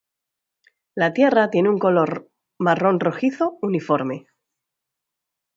La tierra tiene un color marrón-rojizo uniforme.